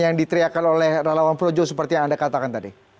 yang diteriakan oleh relawan projo seperti yang anda katakan tadi